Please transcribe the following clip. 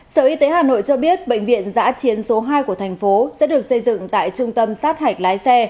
sở y tế hà nội cho biết bệnh viện giã chiến số hai của thành phố sẽ được xây dựng tại trung tâm sát hạch lái xe